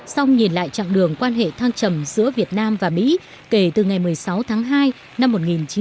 song nhìn lại chặng đường quan hệ thăng trầm giữa việt nam và mỹ kể từ ngày một mươi sáu tháng hai năm một nghìn chín trăm bảy mươi năm